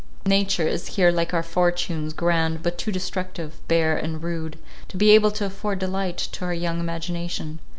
Nature is here like our fortunes, grand, but too destructive, bare, and rude, to be able to afford delight to her young imagination.